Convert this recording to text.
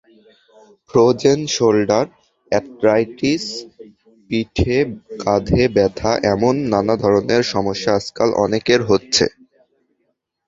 Frozen shoulder, arthritis, পিঠে কাঁধে ব্যথা—এমন নানা ধরনের সমস্যা আজকাল অনেকের হচ্ছে।